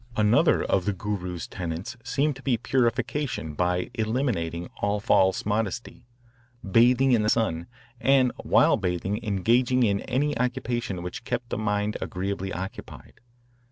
Another of the Guru's tenets seemed to be purification by eliminating all false modesty, bathing in the sun, and while bathing engaging in any occupation which kept the mind agreeably occupied.